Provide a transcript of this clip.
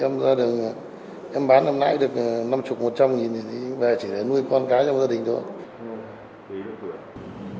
em ra đường em bán năm nãy được năm mươi một trăm linh nghìn thì bà chỉ để nuôi con cái trong gia đình thôi